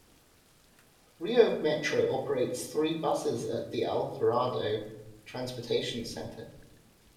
Rio Metro operates three buses at the Alvarado Transportation Center.